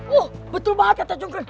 oh betul banget kata jungger